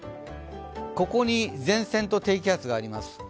ここに前線と低気圧があります。